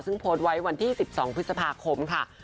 ซึ่งโพสต์ไว้วันที่๑๒พฤษภาคมค่ะ